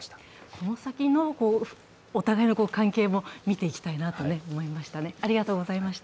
この先のお互いの関係も見ていきたいなと思いましたね。